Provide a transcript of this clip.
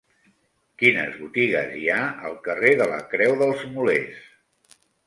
Quines botigues hi ha al carrer de la Creu dels Molers?